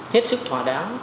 hết sức thỏa đáng